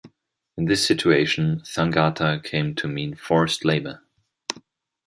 In this situation thangata came to mean forced labour.